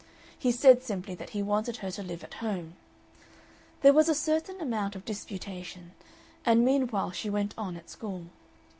He said simply that he wanted her to live at home. There was a certain amount of disputation, and meanwhile she went on at school.